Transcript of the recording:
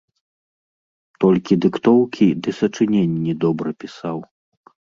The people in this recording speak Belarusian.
Толькі дыктоўкі ды сачыненні добра пісаў.